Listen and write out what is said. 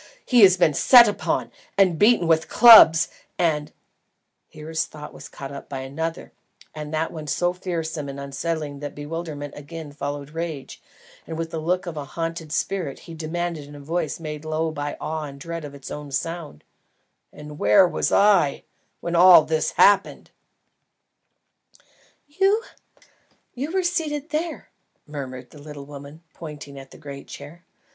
He has been set upon beaten with clubs, and " Here his thought was caught up by another, and that one so fearsome and unsettling that bewilderment again followed rage, and with the look of a haunted spirit, he demanded in a voice made low by awe and dread of its own sound, "AND WHERE WAS I, WHEN ALL THIS HAPPENED?" "You? You were seated there," murmured the little woman, pointing at the great chair.